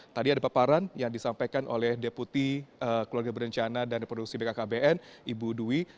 tadi ada paparan yang disampaikan oleh deputi keluarga berencana dan reproduksi bkkbn ibu dwi